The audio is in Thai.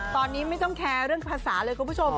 ตอนนี้ไม่ต้องแคร์เรื่องภาษาเลยคุณผู้ชม